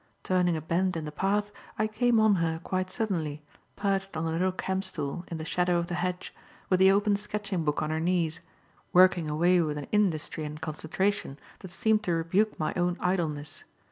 Turning a bend in the path, I came on her quite suddenly, perched on her little camp stool in the shadow of the hedge, with the open sketching book on her knees, working away with an industry and concentration that seemed to rebuke my own idleness.